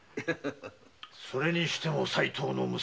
それにしても齋藤の娘